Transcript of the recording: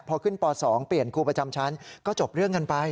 พอขึ้นป๒เปลี่ยนครูประจำชั้นก็จบเรื่องกันไป